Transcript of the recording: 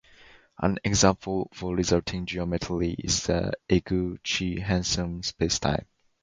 An example for a resulting geometry is the Eguchi-Hanson spacetime.